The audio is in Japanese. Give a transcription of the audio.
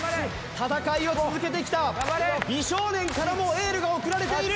戦いを続けてきた美少年からもエールが送られている！